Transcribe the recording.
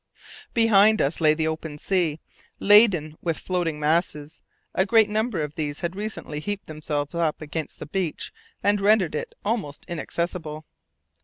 Behind us lay the open sea, laden with floating masses; a great number of these had recently heaped themselves up against the beach and rendered it almost inaccessible.